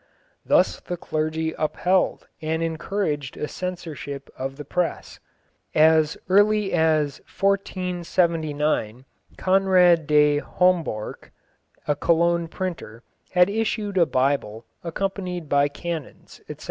Thus the clergy upheld and encouraged a censorship of the press. As early as 1479 Conrad de Homborch, a Cologne printer, had issued a Bible accompanied by canons, etc.